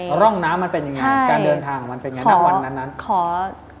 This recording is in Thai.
ตรงน้ำมันเป็นยังไงการเดินทางมันเป็นยังไง